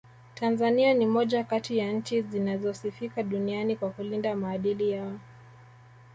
Tanzania ni moja kati ya nchi zinazosifika duniani kwa kulinda maadili yao